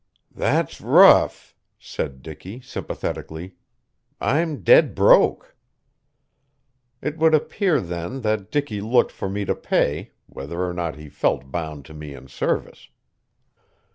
"That's rough," said Dicky sympathetically. "I'm dead broke." It would appear then that Dicky looked to me for pay, whether or not he felt bound to me in service.